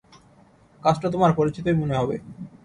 কাজটা তোমার পরিচিতই মনে হবে।